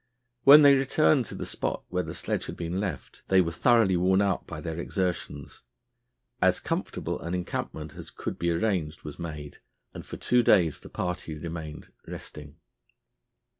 When they returned to the spot where the sledge had been left, they were thoroughly worn out by their exertions. As comfortable an encampment as could be arranged was made, and for two days the party remained resting.